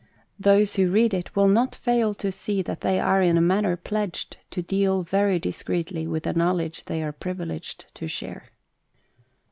Those who read it will not fail to see that they are in a manner pledged to deal very discreetly with the knowledge they are privileged to share.